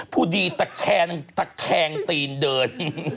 พูดีตะแคงตีนเดิน